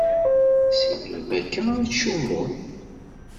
Si melmi akka i ttcummun?